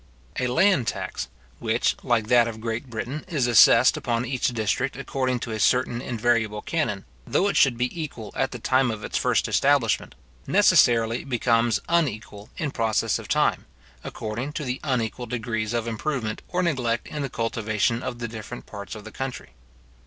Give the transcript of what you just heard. A land tax which, like that of Great Britain, is assessed upon each district according to a certain invariable canon, though it should be equal at the time of its first establishment, necessarily becomes unequal in process of time, according to the unequal degrees of improvement or neglect in the cultivation of the different parts of the country.